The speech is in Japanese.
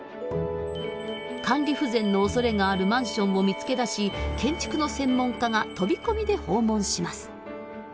管理不全のおそれがあるマンションを見つけ出し建築の専門家が飛び込みで訪問します。